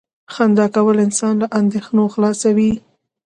• خندا کول انسان له اندېښنو خلاصوي.